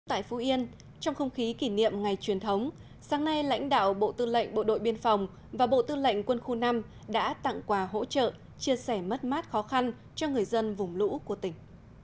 tại phú yên trong không khí kỷ niệm ngày truyền thống sáng nay lãnh đạo bộ tư lệnh bộ đội biên phòng và bộ tư lệnh quân khu năm đã tặng quà hỗ trợ chia sẻ mất mát khó khăn cho người dân vùng lũ của tỉnh